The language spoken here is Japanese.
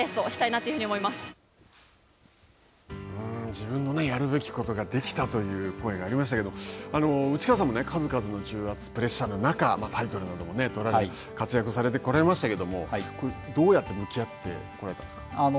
自分のやるべきことができたという声がありましたけど内川さんも数々の重圧、プレッシャーの中タイトルなども取られ、活躍されてこられましたけれども、どうやって向き合ってこられたんですか。